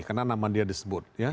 karena nama dia disebut